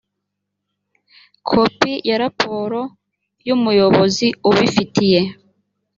kopi ya raporo y umuyobozi ubifitiye